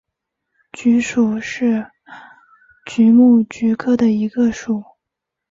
菊属是菊目菊科的一个属。